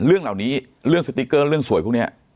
เรื่องเหล่านี้เรื่องสติ๊กเกอร์เรื่องสวยพวกนี้